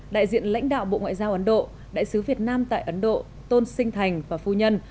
đại diện lãnh đạo bộ ngoại giao ấn độ đại sứ việt nam tại ấn độ tôn sinh thành và phu nhân